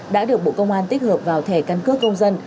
đã được bộ công an tích hợp vào thẻ căn cước công dân